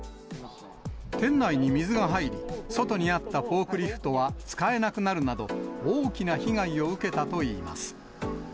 店内に水が入り、外にあったフォークリフトは使えなくなるなど、大きな被害を受けたといいます。